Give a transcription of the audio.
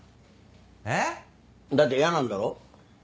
えっ？だって嫌なんだろう？